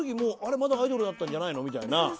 まだアイドルだったんじゃないの？みたいな。